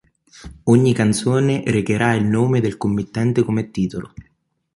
Ogni canzone recherà il nome del committente come titolo.